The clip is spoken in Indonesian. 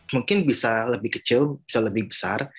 mungkin bisa lebih kecil bisa lebih besar